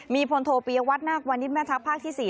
มีพลโทเปียวัฒนาควริมทรัพย์ภาคที่๔